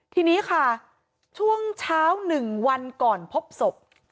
ทีนี้ค่ะช่วงเช้า๑วันก่อนพบศพ